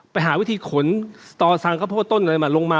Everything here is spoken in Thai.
ไปหาวิธีขนต่อสั่งข้าวโพดต้นอะไรมาลงมา